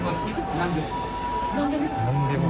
何でも？